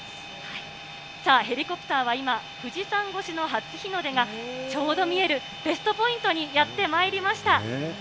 さあ、ヘリコプターは今、富士山越しの初日の出がちょうど見えるベストポイントにやってまいりました。